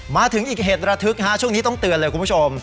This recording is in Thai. มาถึงอีกเหตุระทึกช่วงนี้ต้องเตือนเลยคุณผู้ชม